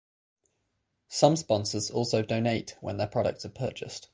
Some sponsors also donate when their products are purchased.